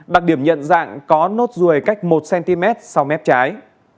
đặc điểm nhận dạng có nốt ruồi cách một cm sau mép trái